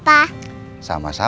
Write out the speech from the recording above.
udah jagain aku